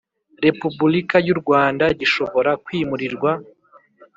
Repubulika y u Rwanda gishobora kwimurirwa